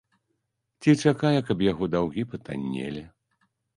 Ці чакае, каб яго даўгі патаннелі.